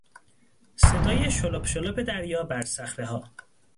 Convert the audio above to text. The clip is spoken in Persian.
صدای شلپ شلپ دریا بر صخرهها